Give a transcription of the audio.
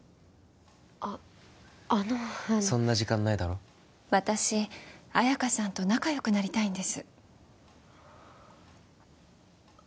あっあのそんな時間ないだろ私綾華さんと仲良くなりたいんです